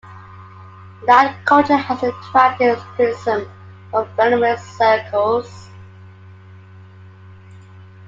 Lad culture has attracted criticism from feminist circles.